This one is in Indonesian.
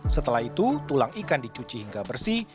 setelah itu tulang ikan dicuci hingga bersih